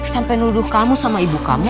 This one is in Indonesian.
sampai nuduh kamu sama ibu kamu